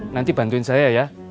nanti bantuin saya ya